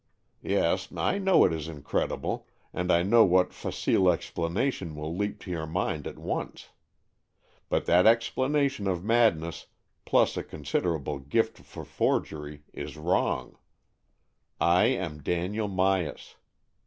Yes, I know it is incredible, and I know what facile explanation will leap to your mind at once. But that explanation of madness plus a considerable gift for forgery is wrong. I am Daniel Myas.